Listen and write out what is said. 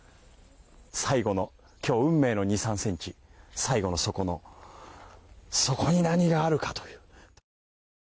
最後の今日、運命の２３ｃｍ最後の底のそこに何があるかという。